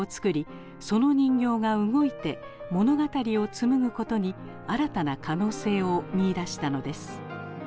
その人形が動いて物語を紡ぐことに新たな可能性を見いだしたのです。